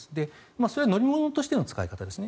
それは乗り物としての使い方ですね。